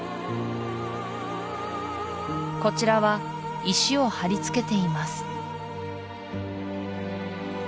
こちらは石をはりつけています